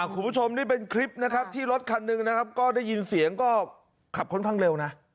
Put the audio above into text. คุณผู้ชมนี่เป็นคลิปนะครับที่รถคันหนึ่งนะครับก็ได้ยินเสียงก็ขับค่อนข้างเร็วนะ